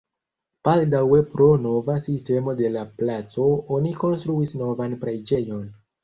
Baldaŭe pro nova sistemo de la placo oni konstruis novan preĝejon.